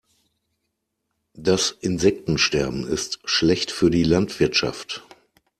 Das Insektensterben ist schlecht für die Landwirtschaft.